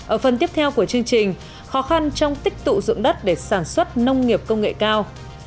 ở phần tiếp theo của chương trình khó khăn trong tích tụ dụng đất để sản xuất nông nghiệp công nghệ cao